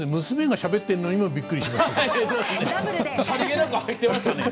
娘がしゃべってるのにもびっくりしました。